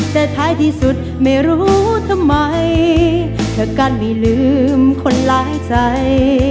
แต่ท้ายที่สุดไม่รู้ทำไมเธอกันไม่ลืมคนร้ายใจ